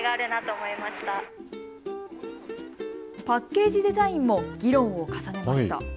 パッケージデザインも議論を重ねました。